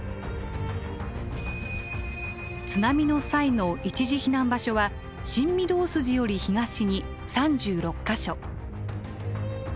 津波の際の一時避難場所は新御堂筋より東に３６か所。